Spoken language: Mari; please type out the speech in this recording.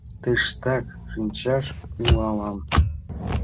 Тыштак шинчаш тӱҥалам.